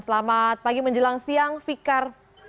selamat pagi menjelang siang fikar